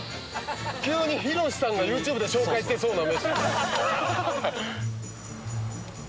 急にヒロシさんがＹｏｕＴｕｂｅで紹介してそうな飯。